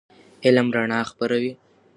علم رڼا خپروي.